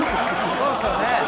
そうっすよね。